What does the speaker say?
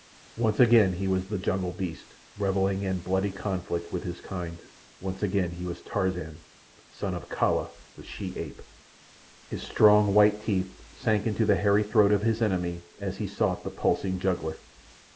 Once again he was the jungle beast revelling in bloody conflict with his kind. Once again he was Tarzan, son of Kala the she ape. His strong, white teeth sank into the hairy throat of his enemy as he sought the pulsing jugular.